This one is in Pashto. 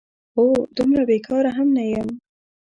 هو، دومره بېکاره هم نه یم؟!